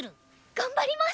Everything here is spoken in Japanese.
頑張ります！